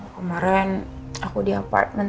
kemarin aku di apartemen